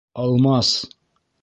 Алмас!..